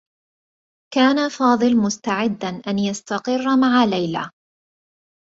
كان فاضل مستعدّا أن يستقرّ مع ليلى.